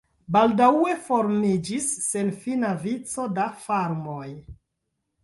Baldaŭe formiĝis senfina vico da farmoj.